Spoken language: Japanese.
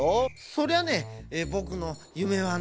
そりゃねぼくのゆめはね。